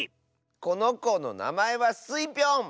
このこのなまえはスイぴょん！